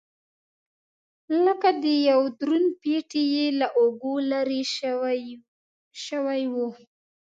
لکه یو دروند پېټی یې له اوږو لرې شوی و.